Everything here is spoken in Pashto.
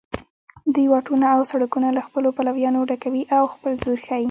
دوی واټونه او سړکونه له خپلو پلویانو ډکوي او خپل زور ښیي